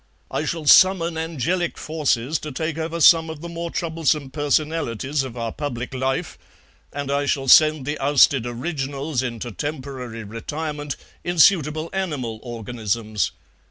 "I shall summon angelic forces to take over some of the more troublesome personalities of our public life, and I shall send the ousted originals into temporary retirement in suitable animal organisms.